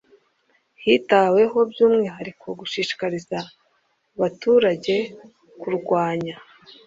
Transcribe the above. Hitaweho by umwihariko gushishikariza baturage kurwanya